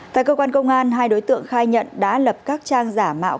tại cơ quan công an hai đối tượng khai nhận đã lập các trang giả mạo